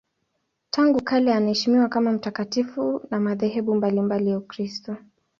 Tangu kale anaheshimiwa kama mtakatifu na madhehebu mbalimbali ya Ukristo.